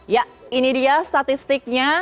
ya ini dia statistiknya